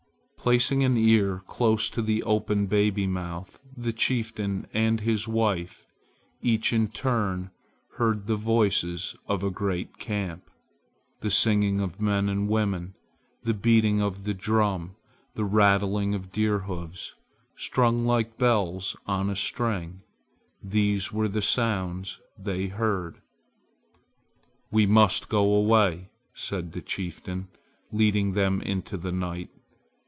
Placing an ear close to the open baby mouth, the chieftain and his wife, each in turn heard the voices of a great camp. The singing of men and women, the beating of the drum, the rattling of deer hoofs strung like bells on a string, these were the sounds they heard. "We must go away," said the chieftain, leading them into the night.